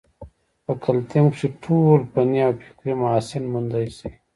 پۀ کلتم کښې ټول فني او فکري محاسن موندے شي